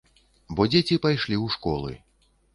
Бо дзеці пайшлі ў школы.